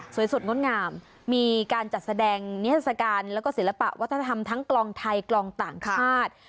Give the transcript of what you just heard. สดงดงามมีการจัดแสดงนิทรศการแล้วก็ศิลปะวัฒนธรรมทั้งกลองไทยกลองต่างชาติ